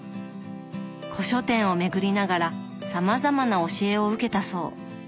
古書店を巡りながらさまざまな教えを受けたそう。